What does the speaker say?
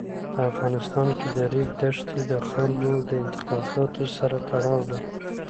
په افغانستان کې د ریګ دښتې د خلکو د اعتقاداتو سره تړاو لري.